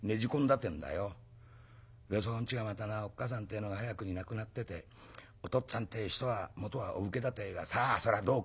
そのうちがまたなおっ母さんってえのが早くに亡くなっててお父っつぁんってえ人はもとはお武家だってえがさあそれはどうかな。